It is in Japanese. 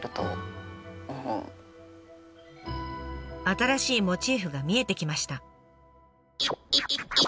新しいモチーフが見えてきました。